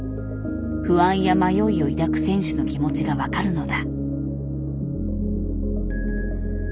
不安や迷いを抱く選手の気持ちが分かるのだ。